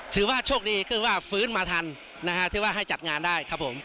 ถือว่าโชคดีคือว่าฟื้นมาทันนะฮะที่ว่าให้จัดงานได้ครับผม